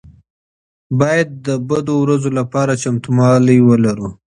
باید د بدو ورځو لپاره چمتووالی ولرو.